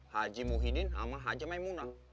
haji muhyiddin sama haji maimunah